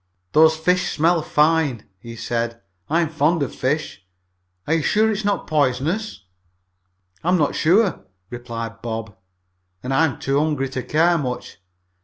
"Those fish smell fine," he said. "I'm very fond of fish. Are you sure those are not poisonous?" "I'm not sure," replied Bob, "and I'm too hungry to care much.